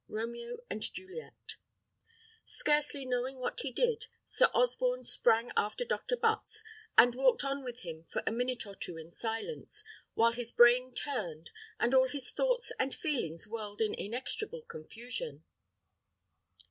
Romeo and Juliet. Scarcely knowing what he did, Sir Osborne sprang after Dr. Butts, and walked on with him for a minute or two in silence, while his brain turned, and all his thoughts and feelings whirled in inextricable confusion.